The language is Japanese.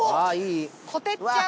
こてっちゃん。